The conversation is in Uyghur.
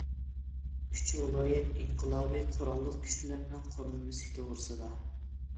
ئۈچ ۋىلايەت ئىنقىلابى قوراللىق كۈچلىرىنىڭ قۇرۇلمىسى توغرىسىدا.